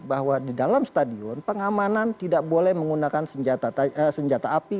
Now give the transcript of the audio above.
bahwa di dalam stadion pengamanan tidak boleh menggunakan senjata api